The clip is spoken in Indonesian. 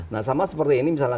nah sama seperti ini misalnya